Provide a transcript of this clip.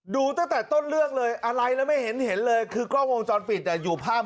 ดูตั้งแต่ต้นเลือกเลยอะไรแล้วไม่เห็นคือกล้องวงจรฟิตอยู่ภาพสินค้า